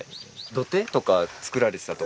土手とか作られてた所。